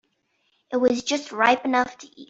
It was just ripe enough to eat.